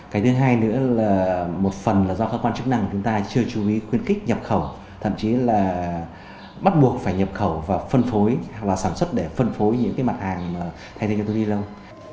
cái thứ hai nữa là một phần là do các quan chức năng chúng ta chưa chú ý quyến kích nhập khẩu thậm chí là bắt buộc phải nhập khẩu và phân phối hoặc là sản xuất để phân phối những cái mặt hàng thay thế cho túi ni lông